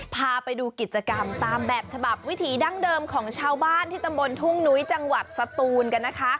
พาไปดูกิจกรรมตามแบบฉบับวิถีดั้งเดิมของชาวบ้านที่ตำบลทุ่งนุ้ยจังหวัดสตูนกันนะคะ